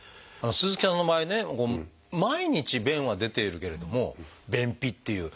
鈴木さんの場合ね毎日便は出ているけれども便秘っていう。